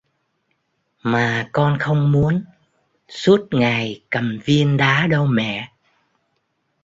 mà con không muốn suốt ngày cầm viên đá đâu mẹ